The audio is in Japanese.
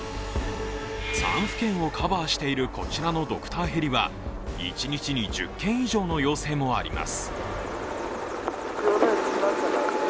３府県をカバーしているこちらのドクターヘリは一日に１０件以上の要請もあります。